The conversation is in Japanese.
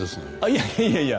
いやいや。